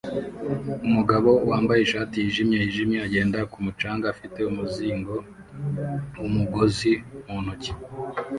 Umugabo wambaye ishati yijimye yijimye agenda ku mucanga afite umuzingo wumugozi mu ntoki